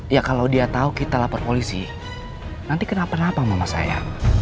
ya kalau dia tahu kita lapor polisi nanti kenapa napa mama saya